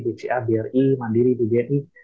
bca bri mandiri bgni